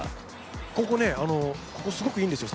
ここね、すごくいいんですよ。